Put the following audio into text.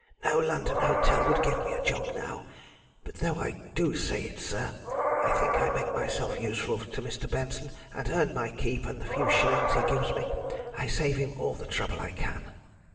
No London hotel would give me a job now. But though I do say it, sir, I think I make myself useful to Mr. Benson, and earn my keep and the few shillings he gives me. I save him all the trouble I can."